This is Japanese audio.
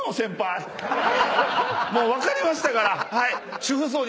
もう分かりましたから！